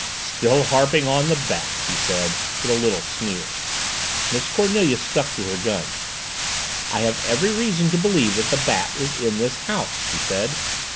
"Still harping on the Bat!" he said, with a little sneer, Miss Cornelia stuck to her guns. "I have every reason to believe that the Bat is in this house," she said.